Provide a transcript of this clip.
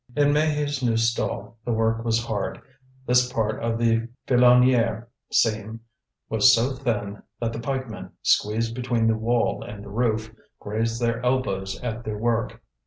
In Maheu's new stall the work was hard. This part of the Filonniére seam was so thin that the pikemen, squeezed between the wall and the roof, grazed their elbows at their work.